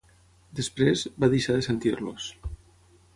Després, va deixar de sentir-los.